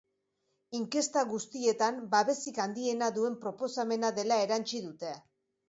Inkesta guztietan babesik handiena duen proposamena dela erantsi dute.